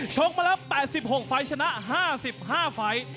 ชกมาแล้ว๘๖ไฟล์ชนะ๕๕ไฟล์